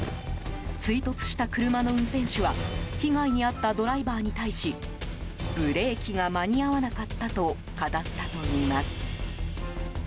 追突した車の運転手は被害に遭ったドライバーに対しブレーキが間に合わなかったと語ったといいます。